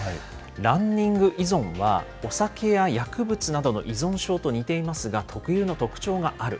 ランニング依存はお酒や薬物などの依存症と似ていますが、特有の特徴がある。